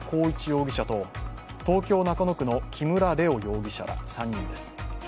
容疑者と東京・中野区の木村玲雄容疑者ら３人です。